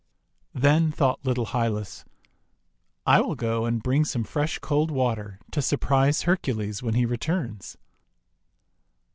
Then thought little Hylas :— "I will go and bring some fresh cold water to surprise Hercules when he returns."